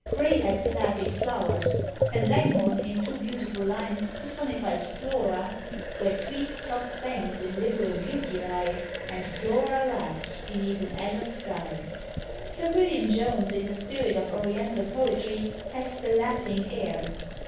Gray has LAUGHING FLOWERS: and Langhorne in two beautiful lines personifies Flora: Where Tweed's soft banks in liberal beauty lie, And Flora LAUGHS beneath an azure sky. Sir William Jones, in the spirit of Oriental poetry, has "the LAUGHING AIR."